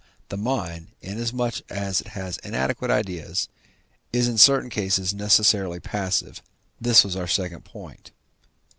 the mind, inasmuch as it has inadequate ideas, is in certain cases necessarily passive; this was our second point.